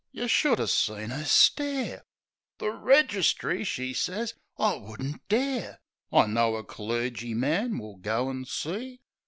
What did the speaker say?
yeh should 'a' seen 'er stare ; "The registry ?" she sez, "I wouldn't dare ! I know a clergyman we'll go an' see"